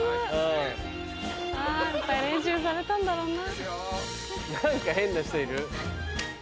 いっぱい練習されたんだろうな。